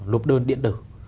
lục đơn điện tử